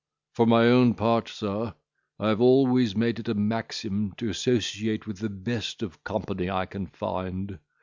For my own part, sir, I have always made it a maxim to associate with the best of company I can find.